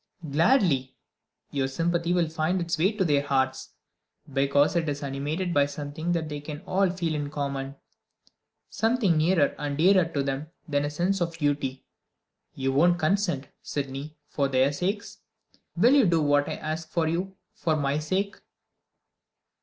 "Gladly! Your sympathy will find its way to their hearts, because it is animated by something that they can all feel in common something nearer and dearer to them than a sense of duty. You won't consent, Sydney, for their sakes? Will you do what I ask of you, for my sake?"